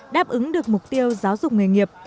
đáp ứng được mục tiêu giáo dục nghề nghiệp